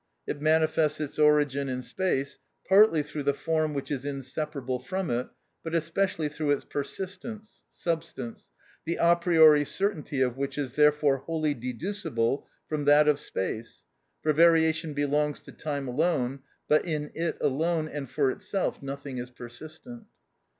It manifests its origin in space, partly through the form which is inseparable from it, but especially through its persistence (substance), the a priori certainty of which is therefore wholly deducible from that of space(9) (for variation belongs to time alone, but in it alone and for itself nothing is persistent).